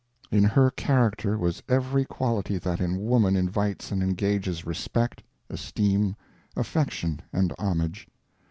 In her character was every quality that in woman invites and engages respect, esteem, affection, and homage.